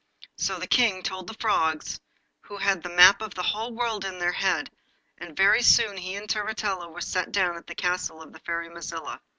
So the King told the Frogs, who had the map of the whole world in their heads, and very soon he and Turritella were set down at the castle of the Fairy Mazilla.